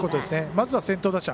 まずは先頭打者